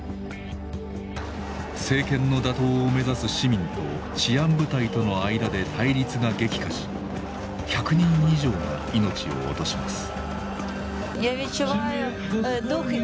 政権の打倒を目指す市民と治安部隊との間で対立が激化し１００人以上が命を落とします。